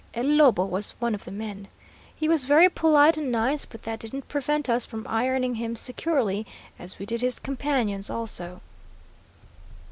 El Lobo was one of the men. He was very polite and nice, but that didn't prevent us from ironing him securely, as we did his companions also.